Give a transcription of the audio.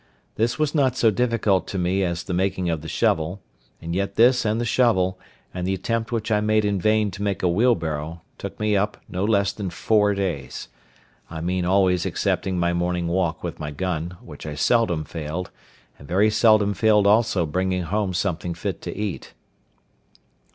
This was not so difficult to me as the making the shovel: and yet this and the shovel, and the attempt which I made in vain to make a wheelbarrow, took me up no less than four days—I mean always excepting my morning walk with my gun, which I seldom failed, and very seldom failed also bringing home something fit to eat.